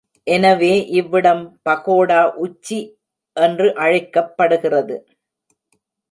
எனவே இவ்விடம் பகோடா உச்சி என்று அழைக்கப்படுகிறது.